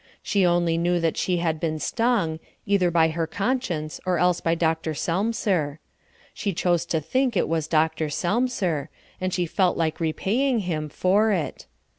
She only knew that she had been stung, either by her conscience or else by Dr. Selmser. She chose to think it was Dr. Selmser, and she felt like repaying him for it.